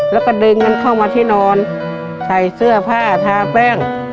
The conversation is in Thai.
แล้วก็ดึงกันเข้ามาที่นอนใส่เสื้อผ้าทาแป้ง